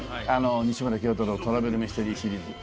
『西村京太郎トラベルミステリー』シリーズ。